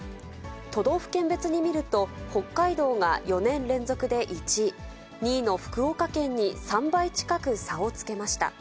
都道府県別に見ると、北海道が４年連続で１位、２位の福岡県に３倍近く差をつけました。